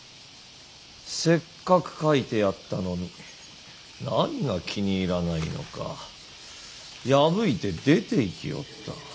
せっかく描いてやったのに何が気に入らないのか破いて出ていきおった。